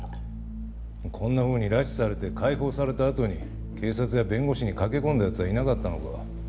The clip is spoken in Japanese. こんなふうに拉致されて解放されたあとに警察や弁護士に駆け込んだ奴はいなかったのか？